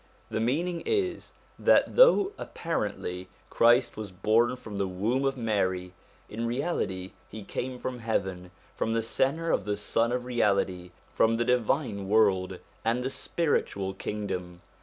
The meaning is that though, apparently, Christ was born from the womb of Mary, in reality he came from heaven, from the centre of the Sun of Reality, from the Divine World, and the Spiritual Kingdom.